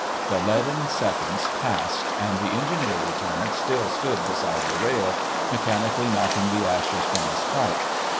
The leaden seconds passed, and the Engineer Lieutenant still stood beside the rail, mechanically knocking the ashes from his pipe....